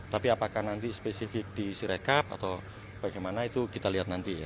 tapi apakah nanti spesifik disirekap atau bagaimana itu kita lihat nanti ya